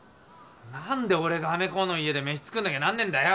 何で俺がアメ公の家で飯作んなきゃなんねえんだよ